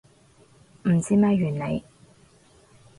唔知咩原理